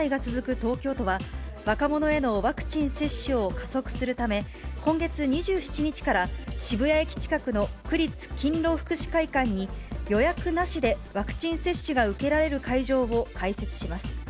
東京都は、若者へのワクチン接種を加速するため、今月２７日から、渋谷駅近くの区立勤労福祉会館に、予約なしでワクチン接種が受けられる会場を開設します。